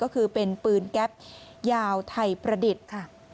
ก็คือเป็นปืนแก๊ปยาวไทยประดิษฐ์ค่ะ